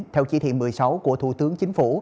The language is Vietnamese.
theo chỉ thị một mươi sáu của thủ tướng chính phủ